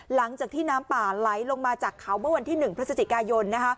หลังจากที่น้ำป่าไหลลงมาจากเขาเมื่อวันที่๑พฤศจิกายน